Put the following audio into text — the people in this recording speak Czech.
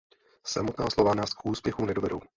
Samotná slova nás k úspěchu nedovedou.